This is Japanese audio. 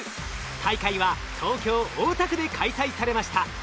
大会は東京大田区で開催されました。